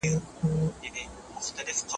که د فرهنګي توپیرونو درک ونه لرې، شخړې زیاتېږي.